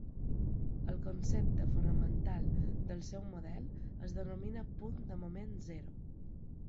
El concepte fonamental del seu model es denomina Punt de moment zero.